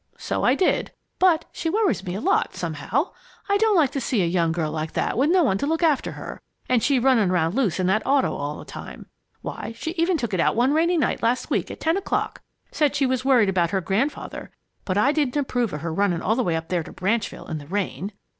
So I did, but she worries me a lot, somehow. I don't like to see a young girl like that with no one to look after her, and she running around loose in that auto all the time. Why, she even took it out one rainy night last week at ten o'clock. Said she was worried about her grandfather, but I didn't approve of her running all the way up there to Branchville in the rain."